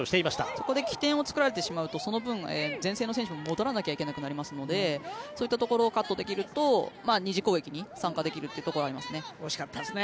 そこで起点を作られてしまうとその分、前線の選手も戻らなきゃいけなくなるのでそういったところをカットできると、２次攻撃に参加できるというところはありますね。